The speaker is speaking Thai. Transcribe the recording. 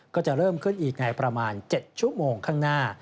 ก็จะเริ่มขึ้นอีกในประมาณ๗ชั่วโมงข้างหน้า